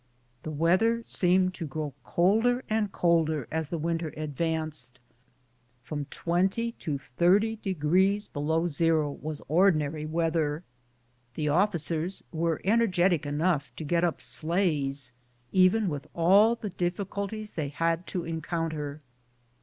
The weather seemed to grow colder and colder as the winter advanced — from 20° to 30° below zero was or dinary weather. The officers were energetic enough to get up sleighs, even with all the difficulties they had to encounter.